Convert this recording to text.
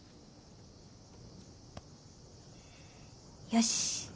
よし。